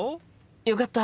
よかった！